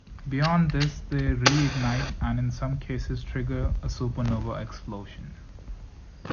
Beyond this, they re-ignite and in some cases trigger a supernova explosion.